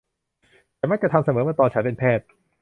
ฉันมักจะทำเสมอเมื่อตอนฉันเป็นแพทย์